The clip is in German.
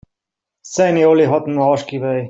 Seine Olle hat ein Arschgeweih.